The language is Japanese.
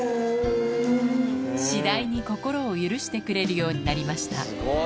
次第に心を許してくれるようになりました